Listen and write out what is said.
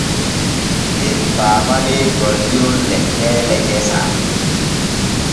Em paamanee golliron leɗɗeele gesa.